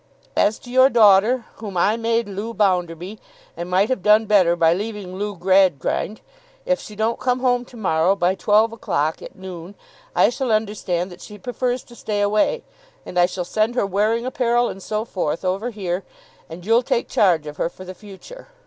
As to your daughter, whom I made Loo Bounderby, and might have done better by leaving Loo Gradgrind, if she don't come home to morrow, by twelve o'clock at noon, I shall understand that she prefers to stay away, and I shall send her wearing apparel and so forth over here, and you'll take charge of her for the future.